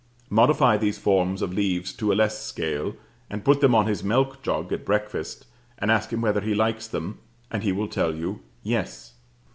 Modify these forms of leaves to a less scale, and put them on his milk jug at breakfast, and ask him whether he likes them, and he will tell you, Yes.